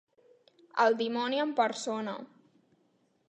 El dimoni en persona.